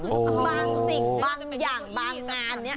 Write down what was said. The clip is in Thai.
บางสิ่งบางอย่างบางงานนี้